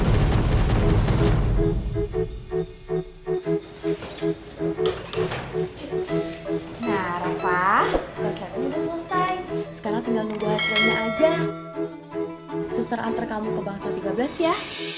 suster antar kamu ke bangsa tiga belas ya